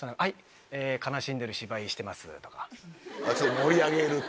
盛り上げると。